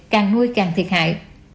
càng nuôi càng thiệt hại